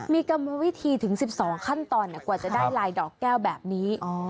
มีกรรมวิธีถึง๑๒ขั้นตอนกว่าจะได้ลายดอกแก้วแบบนี้